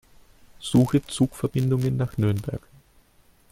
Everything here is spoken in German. Suche Zugverbindungen nach Nürnberg.